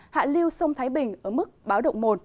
hạ lưu sông thái bình ở mức báo động một